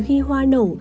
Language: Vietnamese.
khi hoa nổ